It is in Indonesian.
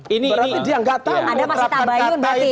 berarti dia gak tahu ada masih tabayun berarti